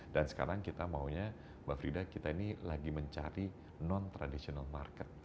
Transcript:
dan sekarang kita maunya mbak frida kita ini lagi mencari non traditional market